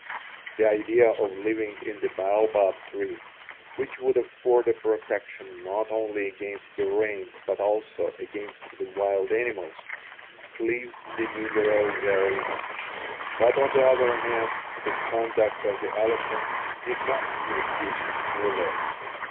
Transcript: The idea of living in the baobab tree, which would afford a protection not only against the rain but also against the wild animals, pleased the negro very much; but on the other hand the conduct of the elephant did not meet his approval.